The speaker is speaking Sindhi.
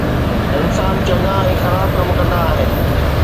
انسان چڱا ۽ خراب ڪم ڪندا آهن